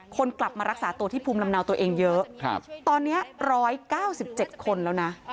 คนกลับมารักษาตัวที่ภูมิลำนาวตัวเองเยอะครับตอนเนี้ยร้อยเก้าสิบเจ็ดคนแล้วนะ